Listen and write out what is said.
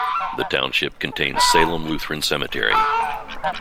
The township contains Salem Lutheran Cemetery.